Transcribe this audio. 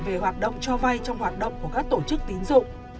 về hoạt động cho vay trong hoạt động của các tổ chức tín dụng